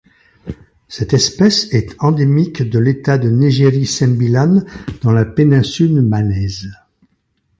Cette espèce est endémique de l'État de Negeri Sembilan dans la péninsule Malaise.